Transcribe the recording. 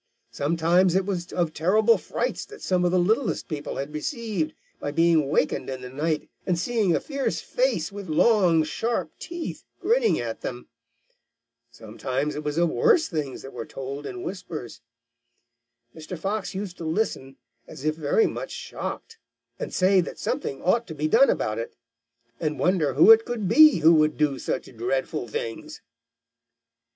Sometimes it was of terrible frights that some of the littlest people had received by being wakened in the night and seeing a fierce face with long, sharp teeth grinning at them. Sometimes it was of worse things that were told in whispers. Mr. Fox used to listen as if very much shocked, and say that something ought to be done about it, and wonder who it could be who would do such dreadful things.